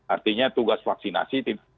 artinya tugas vaksinasi tidak akan ditulis